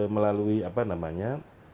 melalui apa namanya